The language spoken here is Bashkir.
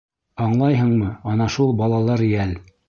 Аңлайһыңмы, ана шул балалар йәл.